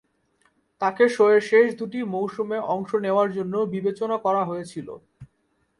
তাকে শোয়ের শেষ দুটি মৌসুমে অংশ নেওয়ার জন্য বিবেচনা করা হয়েছিল।